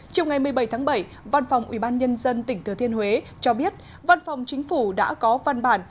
chiều ngày một mươi bảy tháng bảy văn phòng ubnd tỉnh thừa thiên huế cho biết văn phòng chính phủ đã có văn bản